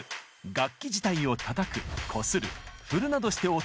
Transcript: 楽器自体をたたくこする振るなどして音を発するもの。